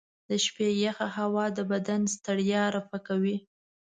د شپې یخه هوا د بدن ستړیا رفع کوي.